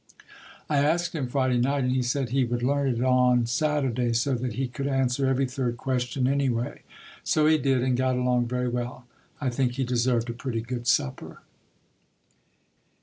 I asked him Friday night and he said he would learn it on Saturday so that he could answer every third question any way. So he did and got along very well. I think he deserved a pretty good supper.